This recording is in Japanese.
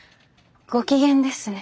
ご機嫌ですね。